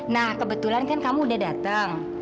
nah kebetulan kan kamu udah datang